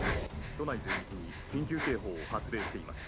都内全域に緊急警報を発令しています。